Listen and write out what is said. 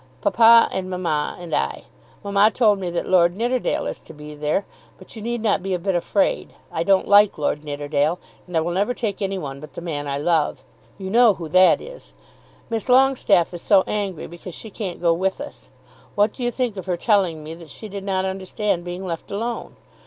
Papa, and mamma and I. Mamma told me that Lord Nidderdale is to be there, but you need not be a bit afraid. I don't like Lord Nidderdale, and I will never take any one but the man I love. You know who that is. Miss Longestaffe is so angry because she can't go with us. What do you think of her telling me that she did not understand being left alone?